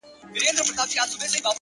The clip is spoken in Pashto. د حقیقت منل ازادي زیاتوي,